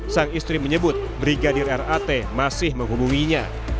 sang istri menyebut brigadir rat masih menghubunginya